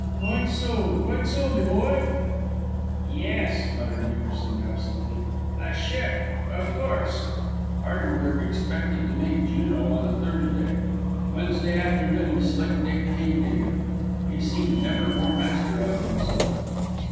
"Quite so, quite so, me boy." "Yes," muttered Nickerson absently, "a ship of course." Hardenberg expected to make Juneau on a Thursday. Wednesday afternoon Slick Dick came to him. He seemed never more master of himself.